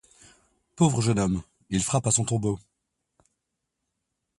Pauvre jeune homme! il frappe à son tombeau.